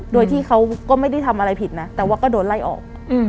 โดยที่เขาก็ไม่ได้ทำอะไรผิดนะแต่ว่าก็โดนไล่ออก